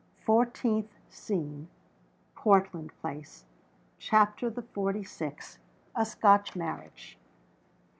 FOURTEENTH SCENE. PORTLAND PLACE. CHAPTER THE FORTY SIXTH. A SCOTCH MARRIAGE.